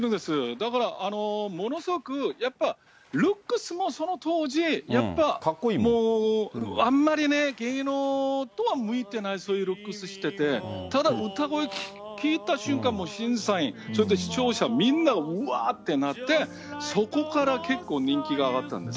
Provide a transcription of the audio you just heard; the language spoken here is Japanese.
だからものすごくやっぱ、ルックスもその当時、やっぱりもう、あんまりね、芸能とは向いてない、そういうルックスしてて、ただ歌声聴いた瞬間、もう審査員、それから視聴者、みんな、うわーってなって、そこから結構、人気が上がったんですね。